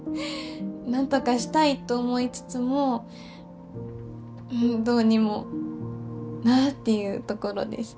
なんとかしたいと思いつつもうんどうにもなあっていうところです